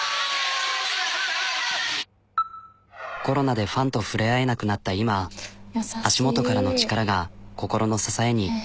コロナでファンと触れ合えなくなった今足元からの力が心の支えに。